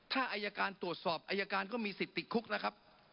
ถ้าอายการตรวจสอบอายการก็มีสิทธิ์ติดคุกนะครับ